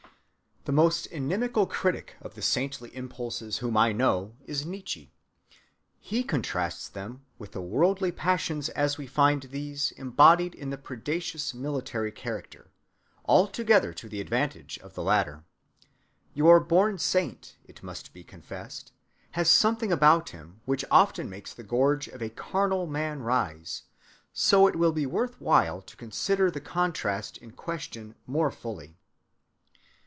The most inimical critic of the saintly impulses whom I know is Nietzsche. He contrasts them with the worldly passions as we find these embodied in the predaceous military character, altogether to the advantage of the latter. Your born saint, it must be confessed, has something about him which often makes the gorge of a carnal man rise, so it will be worth while to consider the contrast in question more fully.